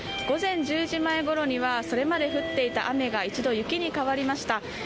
午前１０時前ごろにはそれまで降っていた雨が一度雪に変わりました。